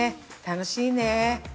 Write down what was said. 楽しいねー。